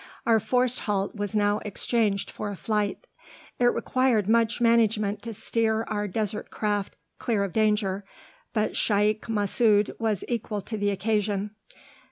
Our forced halt was now exchanged for a flight. It required much management to steer our desert craft clear of danger; but Shaykh Masud was equal to the occasion.